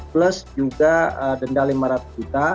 plus juga denda lima tahun